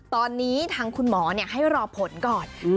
ตอนนี้ทั้งคุณหมอเนี่ยให้รอผลก่อนอืม